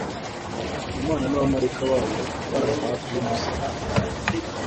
Imana n'abamaraika bayo bari aho hafi y'umusaraba.